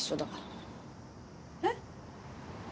えっ？